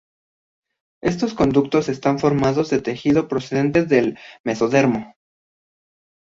Estos conductos están formados de tejido procedente del mesodermo.